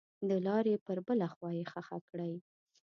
دلارې پر بله خوا یې ښخه کړئ.